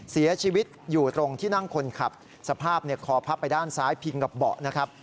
เสียชีวิตอยู่ตรงที่นั่งคนขับสภาพคอพับไปด้านซ้ายพิงกับเบาะนะครับ